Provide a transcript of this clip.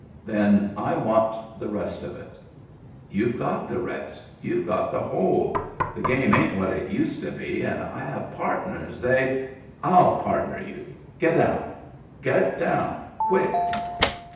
" Then I want the rest of it" "You've got the rest. You've got the whole. The game ain't what it used to be, and I have partners; they —"" 111 partner you. Get down. Get down quick."